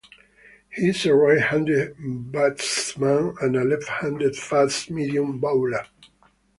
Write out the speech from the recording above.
He is a right-handed batsman, and a left-handed fast-medium bowler.